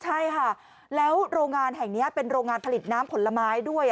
ใช่ค่ะแล้วโรงงานแห่งนี้เป็นโรงงานผลิตน้ำผลไม้ด้วย